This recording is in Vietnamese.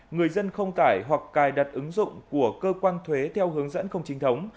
người dân không tải hoặc cài đặt ứng dụng của cơ quan thuế theo hướng dẫn không chính thống